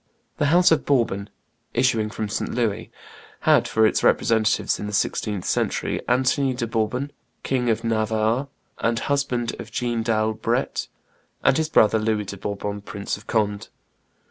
The house of Bourbon, issuing from St. Louis, had for its representatives in the sixteenth century Anthony de Bourbon, King of Navarre and husband of Jeanne d'Albret, and his brother Louis de Bourbon, Prince of Conde.